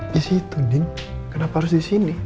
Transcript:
di situ kenapa harus di sini